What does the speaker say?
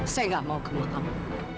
saya gak mau ke rumah kamu